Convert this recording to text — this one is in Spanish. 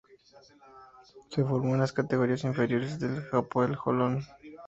Se formó en las categorías inferiores del Hapoel Holon.